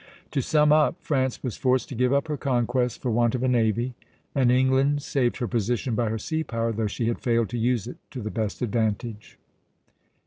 " To sum up, France was forced to give up her conquests for want of a navy, and England saved her position by her sea power, though she had failed to use it to the best advantage.